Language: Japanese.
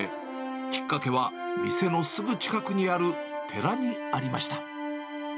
きっかけは、店のすぐ近くにある寺にありました。